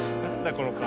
この顔。